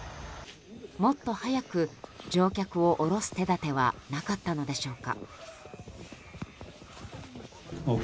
もっと早く乗客を降ろす手立てはなかったのでしょうか。